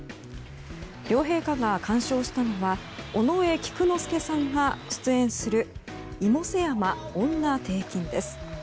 両陛下が観賞したのは尾上菊之助さんが出演する「妹背山婦女庭訓」です。